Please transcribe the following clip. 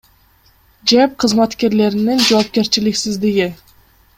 ЖЭБ кызматкерлеринин жоопкерчиликсиздиги.